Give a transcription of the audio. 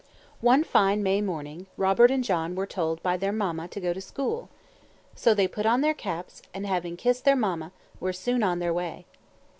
One fine May morning, Robert and John were told by their mamma to go to school. So they put on their caps, and having kissed their mamma, were soon on their way.